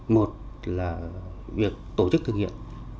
một là việc tổ chức thực hiện